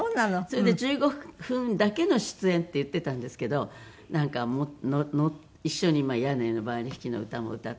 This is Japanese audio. それで１５分だけの出演って言っていたんですけどなんか一緒に『屋根の上のヴァイオリン弾き』の歌も歌って。